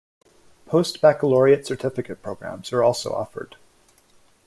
Post-baccalaureate certificate programs also are offered.